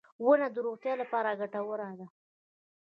• ونه د روغتیا لپاره ګټوره ده.